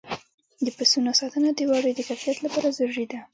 د پسونو ساتنه د وړیو د کیفیت لپاره ضروري ده.